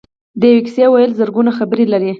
د یوې کیسې ویل زرګونه خبرې لري.